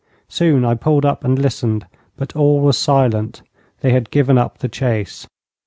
Soon I pulled up and listened, but all was silent. They had given up the chase.